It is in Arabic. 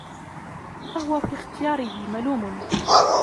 فَهُوَ فِي اخْتِيَارِهِ مَلُومٌ